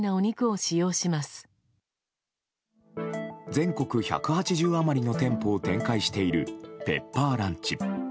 全国１８０余りの店舗を展開しているペッパーランチ。